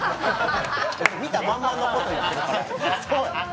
見たまんまのこと言うてるから。